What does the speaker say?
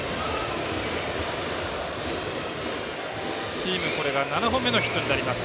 チーム、これが７本目のヒットになります。